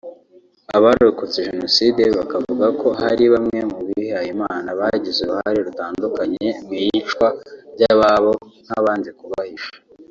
abarokotse Jenoside bakavuga ko hari bamwe mu bihayimana bagize uruhare rutandukanye mu iyicwa ry’ababo nk’abanze kubahisha